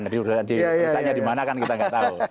di rumahnya dimana kan kita nggak tahu